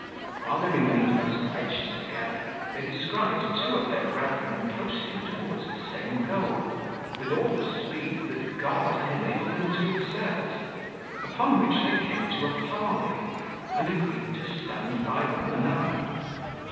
While they remained thus wedged together, they descried two of their brethren posting towards the same goal, with all the speed that God had enabled them to exert; upon which they came to a parley, and agreed to stand by one another.